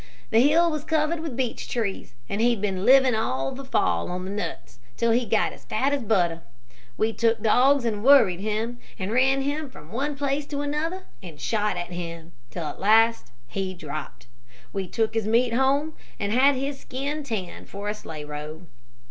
The hill was covered with beech trees, and he'd been living all the fall on the nuts, till he'd got as fat as butter. We took dogs and worried him, and ran him from one place to another, and shot at him, till at last he dropped. We took his meat home, and had his skin tanned for a sleigh robe.